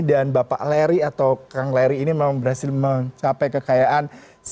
dan bapak larry atau kang larry ini memang berhasil mencapai kekayaan satu tujuh ratus tiga puluh satu